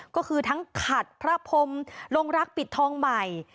ก็คือทั้งขัดพระพรมลงรักปิดทองใหม่